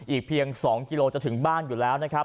อีกเพียง๒กิโลจะถึงบ้านอยู่แล้วนะครับ